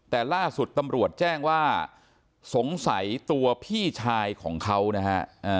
แต่ล่าสุดตำรวจแจ้งว่าสงสัยตัวพี่ชายของเขานะฮะ